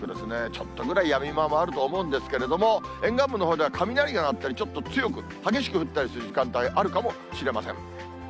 ちょっとぐらいやみ間もあると思うんですけれども、沿岸部のほうでは雷が鳴ったり、ちょっと強く、激しく降ったりする時間帯あるかもしれません。